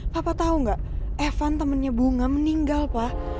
papa tau gak evan temennya bunga meninggal pak